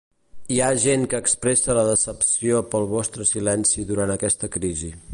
Hi ha gent que expressa la decepció pel vostre silenci durant aquesta crisi.